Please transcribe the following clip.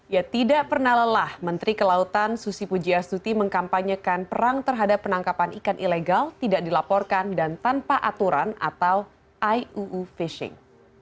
ya tidak pernah lelah menteri kelautan susi pujiastuti mengkampanyekan perang terhadap penangkapan ikan ilegal tidak dilaporkan dan tanpa aturan atau iuu fishing